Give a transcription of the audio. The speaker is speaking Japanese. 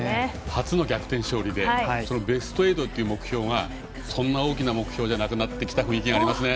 初の逆転勝利でベスト８っていう目標がそんなに大きな目標じゃなくなってきた雰囲気がありますね。